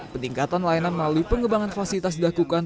peningkatan layanan melalui pengembangan fasilitas dilakukan